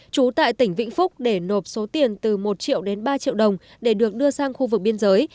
trú tại tỉnh vĩnh phúc để nộp số tiền từ một triệu đến ba triệu đồng để được đưa sang khu vực biên giới